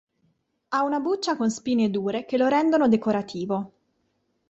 Ha una buccia con spine dure che lo rendono decorativo.